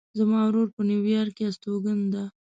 زما ورور په نیویارک کې استوګن ده